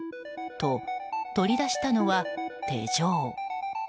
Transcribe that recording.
と、取り出したのは手錠。